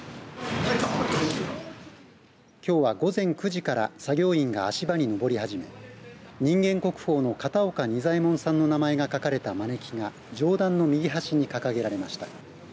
きょうは午前９時から作業員が足場に上り始め人間国宝の片岡仁左衛門さんの名前が書かれたまねきが上段の右端に掲げられました。